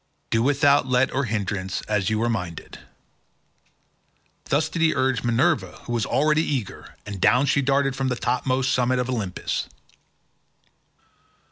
Do without let or hindrance as you are minded." Thus did he urge Minerva who was already eager, and down she darted from the topmost summits of Olympus.